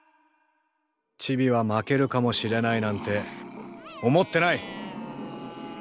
チビは負けるかもしれないなんて思ってない。